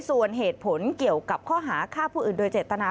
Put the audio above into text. ส่วนเหตุผลเกี่ยวกับข้อหาฆ่าผู้อื่นโดยเจตนา